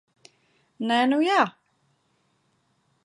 Nē, nu jā!